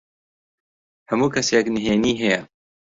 هەموو کەسێک نهێنیی هەیە.